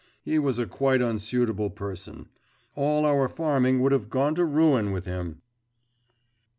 He was a quite unsuitable person. All our farming would have gone to ruin with him!